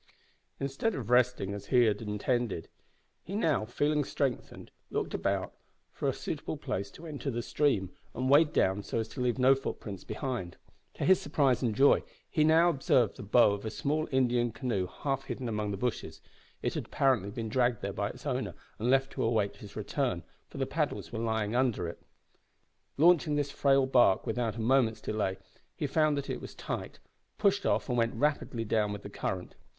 Instead of resting as he had intended, he now, feeling strengthened, looked about for a suitable place to enter the stream and wade down so as to leave no footprints behind. To his surprise and joy he observed the bow of a small Indian canoe half hidden among the bushes. It had apparently been dragged there by its owner, and left to await his return, for the paddles were lying under it. Launching this frail bark without a moment's delay, he found that it was tight; pushed off and went rapidly down with the current.